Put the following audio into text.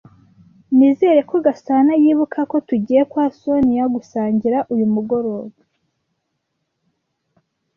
Nizere ko Gasana yibuka ko tugiye kwa Soniya gusangira uyu mugoroba.